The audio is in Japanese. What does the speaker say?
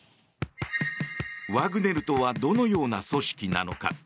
ワグネルとはどのような組織なのか。